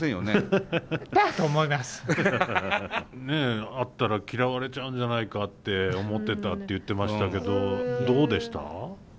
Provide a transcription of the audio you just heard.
ねっ会ったら嫌われちゃうんじゃないかって思ってたって言ってましたけどどうでした？